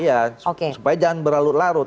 ya supaya jangan berlarut larut